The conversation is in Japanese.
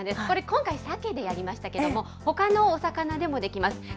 これ、今回さけでやりましたけれども、ほかのお魚でもできます。